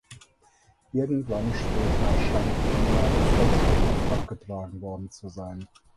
Irgendwann später scheint die Anlage vollständig abgetragen worden zu sein.